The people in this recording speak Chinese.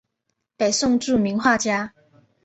北宋著名画家。